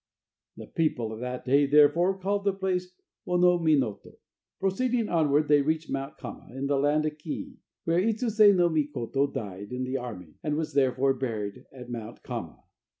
The people of that day therefore called the place Wo no Minoto. Proceeding onward, they reached Mount Kama in the Land of Kii, where Itsuse no Mikoto died in the army, and was therefore buried at Mount Kama.